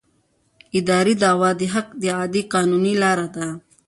اداري دعوه د حق د اعادې قانوني لاره ده.